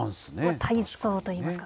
体操といいますか。